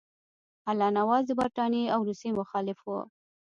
الله نواز د برټانیې او روسیې مخالف وو.